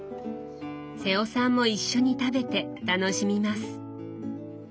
瀬尾さんも一緒に食べて楽しみます。